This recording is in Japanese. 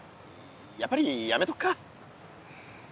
やっぱりやめとくか？